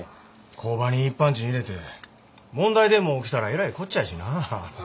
工場に一般人入れて問題でも起きたらえらいこっちゃやしな。